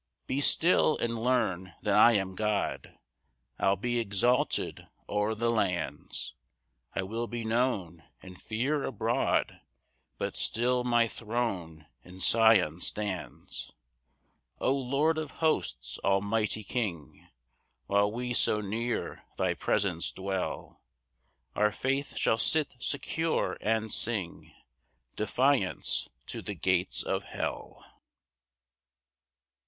5 "Be still, and learn that I am God, "I'll be exalted o'er the lands, "I will be known and fear'd abroad, "But still my throne in Sion stands." 6 O Lord of hosts, almighty King, While we so near thy presence dwell, Our faith shall sit secure, and sing Defiance to the gates of hell.